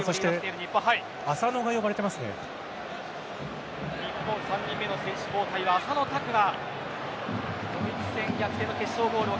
日本、３人目の選手交代は浅野拓磨。